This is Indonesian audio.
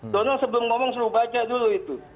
donald sebelum ngomong suruh baca dulu itu